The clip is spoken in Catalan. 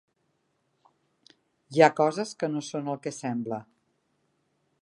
Hi ha coses que no són el que sembla.